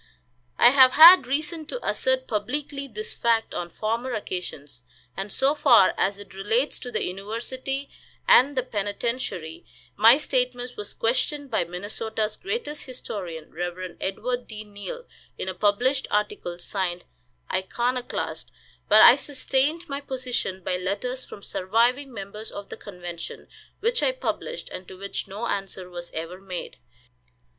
I have had reason to assert publicly this fact on former occasions, and so far as it relates to the university and the penitentiary, my statement was questioned by Minnesota's greatest historian, Rev. Edward D. Neill, in a published article, signed "Iconoclast;" but I sustained my position by letters from surviving members of the convention, which I published, and to which no answer was ever made.